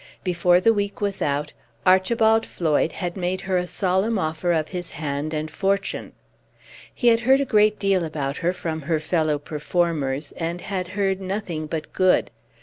Before the week was out, Archibald Floyd had made her a solemn offer of his hand and fortune. He had heard a great deal about her from her fellow performers, and had heard nothing but good.